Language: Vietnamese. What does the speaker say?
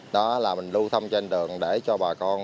đó là mình lưu thông trên đường để cho bà con